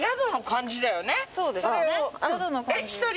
そうですよね。